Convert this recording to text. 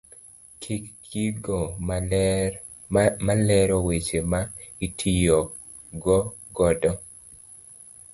Ket gigo malero weche ma itiyo godo.